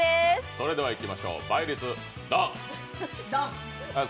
それではいきましょう、倍率ドン！